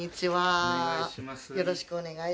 よろしくお願いします。